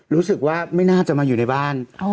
รู้สึกว่าไม่น่าจะมาอยู่ในบ้าน